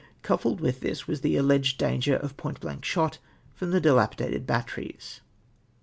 CV)iq)led with this was the alleged dang er of point blank shot from the dilapidated batteries !